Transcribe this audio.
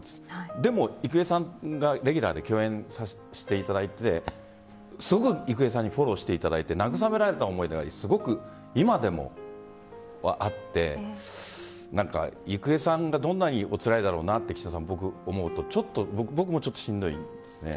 でも郁恵さんがレギュラーで共演させていただいてすごく郁恵さんにフォローしていただいて慰められた思い出が今でもすごくあって郁恵さんがどんなにおつらいだろうなと僕、思うと僕もしんどいです。